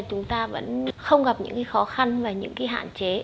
chúng ta vẫn không gặp những cái khó khăn và những cái hạn chế